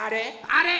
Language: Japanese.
あれ？